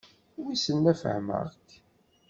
Wissen ma fehmeɣ-k?